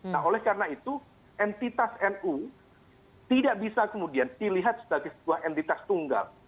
nah oleh karena itu entitas nu tidak bisa kemudian dilihat sebagai sebuah entitas tunggal